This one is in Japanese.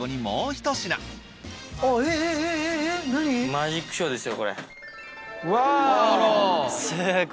マジックショーですよ。